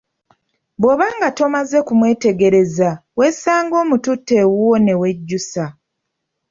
Bw'obaanga tomaze kumwetegereza weesanga omututte ewuwo ne wejjusa.